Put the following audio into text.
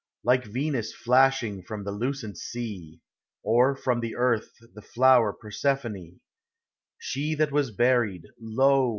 CXLI Like Venus flashing from the lucent sea, Or, from the earth, the flower Persephone; She that was buried, lo!